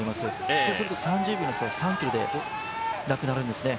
そうすると３０秒の差は３ｋｍでなくなるんですね。